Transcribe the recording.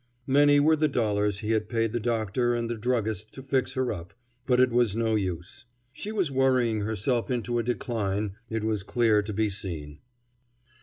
Many were the dollars he had paid the doctor and the druggist to fix her up, but it was no use. She was worrying herself into a decline, it was clear to be seen.